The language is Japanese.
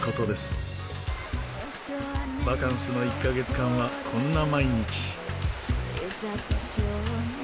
バカンスの１カ月間はこんな毎日。